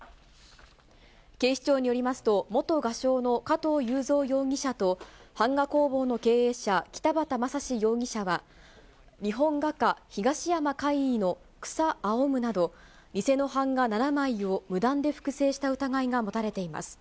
警視庁によりますと、元画商の加藤雄三容疑者と版画工房の経営者、北畑雅史容疑者は日本画家、東山魁夷の草青むなど、偽の版画７枚を、無断で複製した疑いが持たれています。